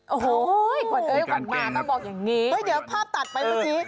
โอ้โฮเดี๋ยวก่อนมาต้องบอกอย่างนี้เฮ้ยเดี๋ยวภาพตัดไปเมื่อกี้